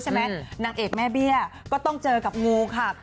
นางเอกแม่เบี้ยก็ต้องเจอกับงูค่ะ